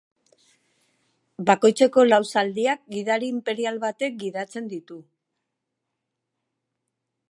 Bakoitzeko lau zaldiak gidari inperial batek gidatzen ditu.